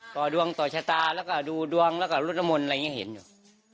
ต่อดวงต่อชะตาแล้วก็ดูดวงแล้วก็ลดละมนต์อะไรอย่างนี้เห็นอยู่